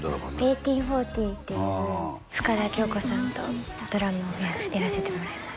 「１８／４０」っていう深田恭子さんとドラマをやらせてもらいます